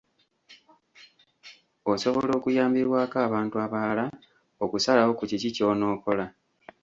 Osobola okuyambibwako abantu abalala okusalawo ku kiki ky’onookola.